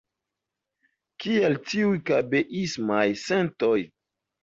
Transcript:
Kial tiuj kabeismaj sentoj?